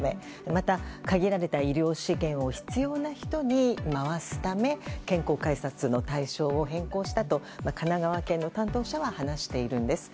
また、限られた医療資源を必要な人に回すため健康観察の対象を変更したと神奈川県の担当者は話しているんです。